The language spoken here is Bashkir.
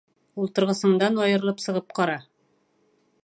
Ултырғысыңдан айырылып сығып ҡара!